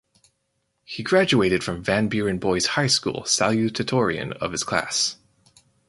He graduated from Van Buren Boys High School salutatorian of his class.